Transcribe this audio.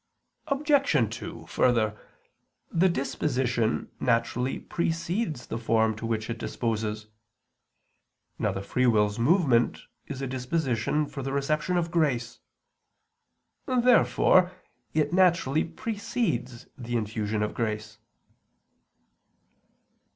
Obj. 2: Further, the disposition naturally precedes the form to which it disposes. Now the free will's movement is a disposition for the reception of grace. Therefore it naturally precedes the infusion of grace.